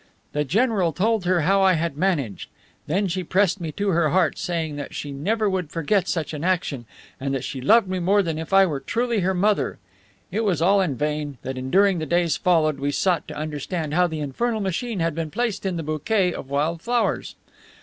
The general told her how I had managed. Then she pressed me to her heart, saying that she never would forget such an action, and that she loved me more than if I were truly her mother. It was all in vain that during the days following we sought to understand how the infernal machine had been placed in the bouquet of wild flowers.